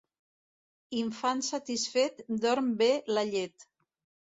Infant satisfet dorm bé la llet.